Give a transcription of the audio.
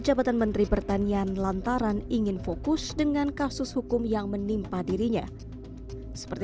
jabatan menteri pertanian lantaran ingin fokus dengan kasus hukum yang menimpa dirinya seperti